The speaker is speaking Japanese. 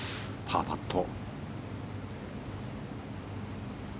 パーパット。